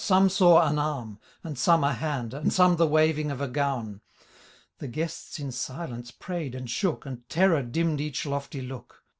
Some saw an aim, and some a hand. And some the waving of a gown, rhe guests in silence prayM and shook. And terror dimmed each lofty look.